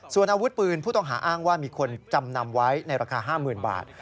ส่วนอาวุธปืนผู้ต้องหาอ้างว่ามีคนจำนำไว้ในราคา๕๐๐๐บาท